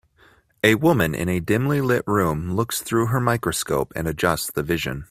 A woman in a dimly lit room looks through her microscope and adjusts the vision